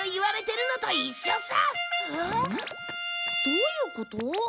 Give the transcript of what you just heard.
どういうこと？